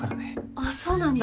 あっそうなんだ。